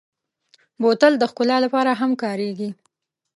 بوتل د ښکلا لپاره هم کارېږي.